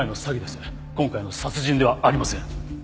今回の殺人ではありません。